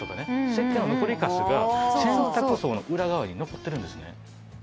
せっけんの残りカスが洗濯槽の裏側に残ってるんですね。